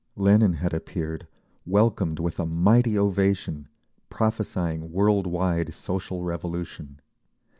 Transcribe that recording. Lenin had appeared, welcomed with a mighty ovation, prophesying world wide Social Revolution….